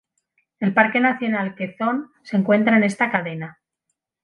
El Parque nacional Quezón se encuentra en esta cadena.